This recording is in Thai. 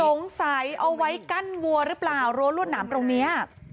เอาไว้กั้นวัวหรือเปล่ารั้วรวดหนามตรงนี้